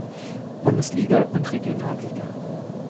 Bundesliga und Regionalliga.